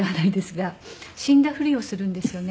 死んだふりをするんですよね。